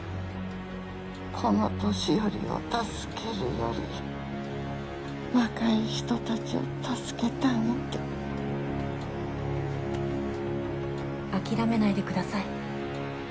この年寄りを助けるより若い人達を助けてあげて諦めないでください